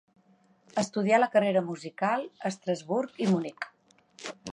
Estudià la carrera musical a Estrasburg i Munic.